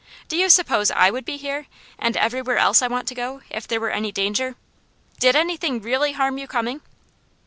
Do you suppose I would be here, and everywhere else I want to go, if there were any danger? Did anything really harm you coming?"